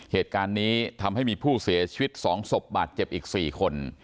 เหตุการณ์นี้ทำให้มีผู้เสียชีวิต๒ศพบาดเจ็บอีก๔คน